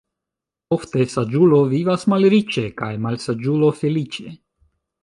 Ofte saĝulo vivas malriĉe kaj malsaĝulo feliĉe.